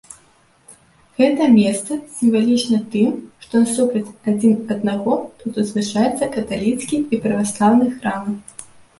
Гэта месца сімвалічнае тым, што насупраць адзін аднаго тут узвышаюцца каталіцкі і праваслаўны храмы.